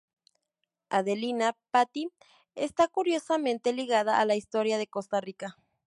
Adelina Patti está curiosamente ligada a la historia de Costa Rica.